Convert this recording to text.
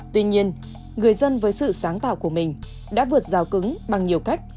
tuy nhiên người dân với sự sáng tạo của mình đã vượt rào cứng bằng nhiều cách